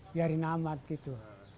dari nama gitu